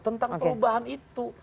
tentang perubahan itu